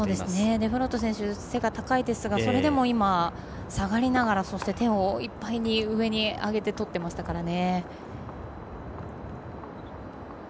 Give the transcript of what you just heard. デフロート選手は背が高いですがそれでも今、下がりながらそして手をいっぱいに上にあげて取ってましたからね。